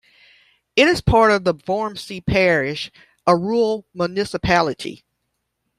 It is part of Vormsi Parish, a rural municipality.